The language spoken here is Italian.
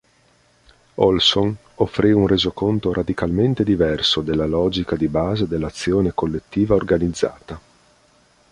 Olson offrì un resoconto radicalmente diverso della logica di base dell'azione collettiva organizzata.